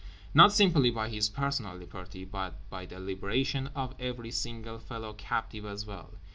Not simply by his personal liberty, but by the liberation of every single fellow captive as well.